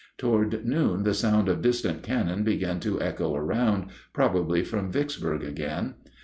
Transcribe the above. Toward noon the sound of distant cannon began to echo around, probably from Vicksburg again.